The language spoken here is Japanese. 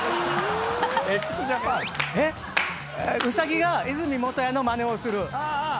ウサギが和泉元彌のまねをする。